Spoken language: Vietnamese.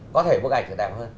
có thể bức ảnh sẽ đẹp hơn